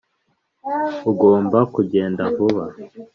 ugomba kugenda vuba.